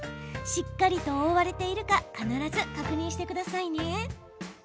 しっかりと覆われているか必ず確認してくださいね。